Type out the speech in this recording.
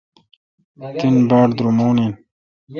تن باڑ درومون این۔